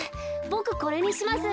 ボクこれにします。